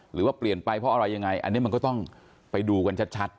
หรือว่าเปลี่ยนไปเพราะอะไรยังไงอันนี้มันก็ต้องไปดูกันชัด